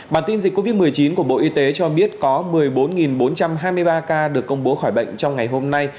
bản tin dịch covid một mươi chín của bộ y tế cho biết có một mươi bốn bốn trăm hai mươi ba ca được công bố khỏi bệnh trong ngày hôm nay